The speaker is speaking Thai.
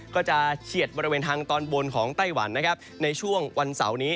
เฉียดบริเวณทางตอนบนของไต้หวันนะครับในช่วงวันเสาร์นี้